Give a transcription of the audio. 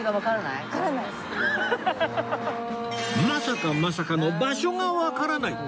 まさかまさかの場所がわからない！？